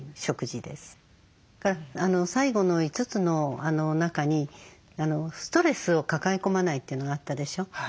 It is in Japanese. それから最後の５つの中に「ストレスを抱え込まない」というのがあったでしょ。